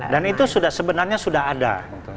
dan itu sudah sebenarnya sudah ada yang melatih dan mengajarkan